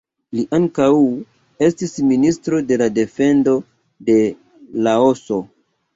Li ankaŭ estis Ministro de Defendo de Laoso.